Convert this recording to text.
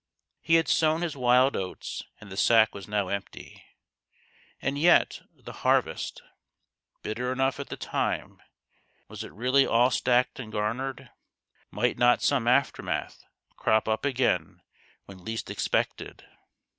He had sown his wild oats and the sack was now empty. And yet the harvest ? Bitter enough at the time, was it really all stacked and garnered? Might not some aftermath crop up again when least expected